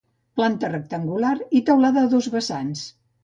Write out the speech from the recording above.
Planta rectangular i teulada a dos vessants.